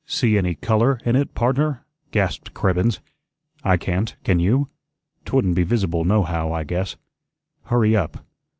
"See any 'COLOR' in it, pardner?" gasped Cribbens. "I can't, can you? 'Twouldn't be visible nohow, I guess. Hurry up.